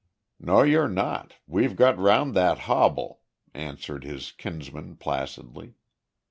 "No you're not. We've got round that hobble," answered his kinsman placidly.